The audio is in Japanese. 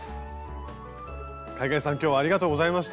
海外さん今日はありがとうございました。